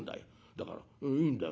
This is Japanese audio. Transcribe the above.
だからいいんだよ。